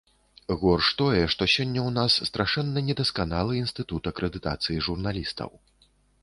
Горш тое, што сёння ў нас страшэнна недасканалы інстытут акрэдытацыі журналістаў.